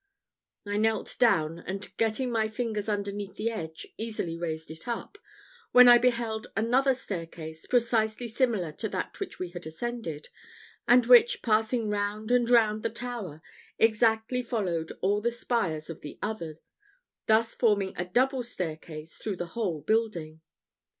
I knelt down, and getting my fingers underneath the edge, easily raised it up, when I beheld another staircase precisely similar to that which we had ascended, and which, passing round and round the tower, exactly followed all the spires of the other, thus forming a double staircase through the whole building.